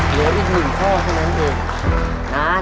เหลืออีกหนึ่งข้อเท่านั้นเอง